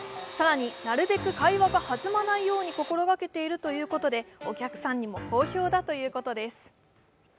更に、なるべく会話が弾まないように心がけているということでお客さんにも好評だということです。